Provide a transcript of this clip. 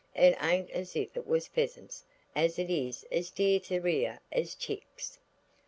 It ain't as if it was pheasants as is as dear to rear as chicks."